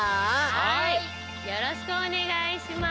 はいよろしくおねがいします！